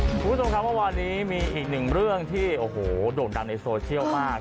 คุณผู้ชมครับว่าวันนี้มีอีกหนึ่งเรื่องที่โดยดังในโซเชียลมาก